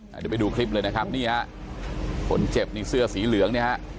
เดี๋ยวไปดูคลิปเลยนะครับนี่ฮะคนเจ็บนี่เสื้อสีเหลืองเนี่ยฮะ